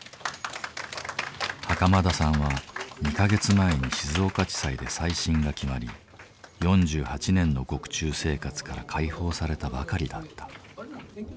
袴田さんは２か月前に静岡地裁で再審が決まり４８年の獄中生活から解放されたばかりだった。